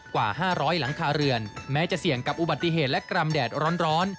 กว่า๕๐๐หลังคาเรือนแม้จะเสี่ยงกับอุบัติเหตุและกรรมแดดร้อน